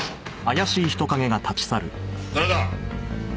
誰だ？